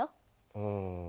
うん。